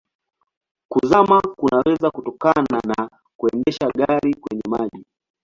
Kuzama kunaweza kutokana na kuendesha gari kwenye maji.